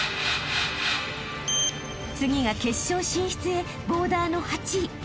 ［次が決勝進出へボーダーの８位］